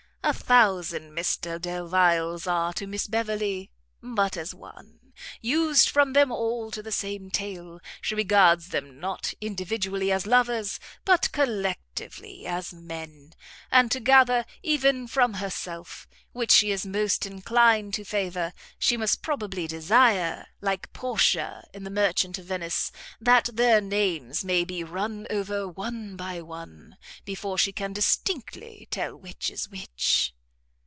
A thousand Mr Delviles are to Miss Beverley but as one; used from them all to the same tale, she regards them not individually as lovers, but collectively as men; and to gather, even from herself, which she is most inclined to favour, she must probably desire, like Portia in the Merchant of Venice, that their names may be run over one by one, before she can distinctly tell which is which."